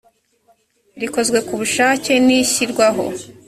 rikozwe ku bushake n ishyirwaho